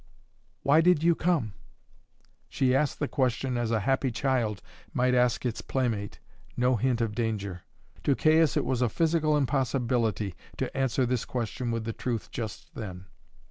"Why did you come?" She asked the question as a happy child might ask of its playmate no hint of danger. To Caius it was a physical impossibility to answer this question with the truth just then.